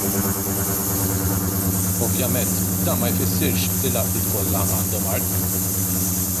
Ovvjament dan ma jfissirx li l-għaqdiet kollha għandhom art.